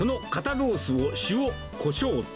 ロースを塩こしょうと。